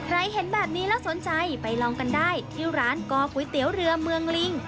เห็นแบบนี้แล้วสนใจไปลองกันได้ที่ร้านก่อก๋วยเตี๋ยวเรือเมืองลิง